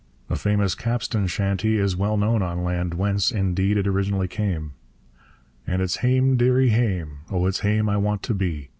A famous capstan chanty is well known on land, whence, indeed, it originally came: And it's hame, dearie, hame; oh! it's hame I want to be.